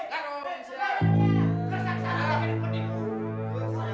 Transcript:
tak ada yang bisa disayangdenya